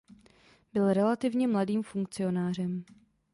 Byl relativně mladým funkcionářem.